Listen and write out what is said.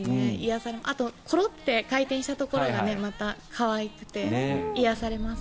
コロッて回転したところがまた可愛くて癒やされます。